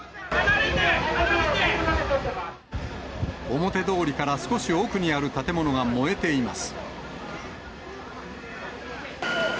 表通りから少し奥にある建物が燃えています。